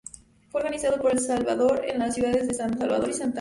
Fue organizado por El Salvador, en las ciudades de San Salvador y Santa Ana.